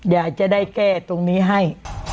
อยากจะได้แก้ตรงนี้ให้